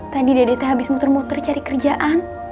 tadi dede teh habis muter muter cari kerjaan